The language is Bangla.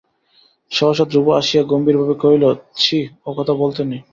সহসা ধ্রুব আসিয়া গম্ভীর ভাবে কহিল, ছি, ও কথা বলতে নেই।